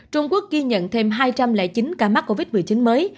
trung quốc ghi nhận thêm hai trăm linh chín ca mắc covid một mươi chín mới